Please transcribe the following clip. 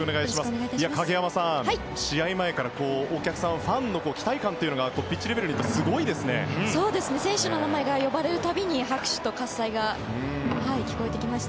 影山さん試合前からお客さん、ファンの期待感というのがピッチレベルでも選手の名前が呼ばれるたび拍手と喝さいが聞こえてきました。